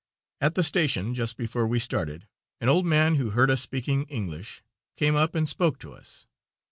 At the station, just before we started, an old man who had heard us speaking English, came up and spoke to us.